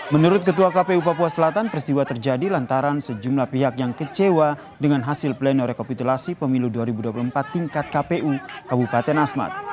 menurut ketua kpu papua selatan peristiwa terjadi lantaran sejumlah pihak yang kecewa dengan hasil pleno rekapitulasi pemilu dua ribu dua puluh empat tingkat kpu kabupaten asmat